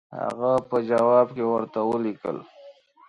هغه په جواب کې ورته ولیکل.